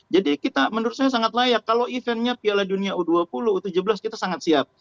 jadi kita menurut saya sangat layak kalau eventnya piala dunia u dua puluh u tujuh belas kita sangat siap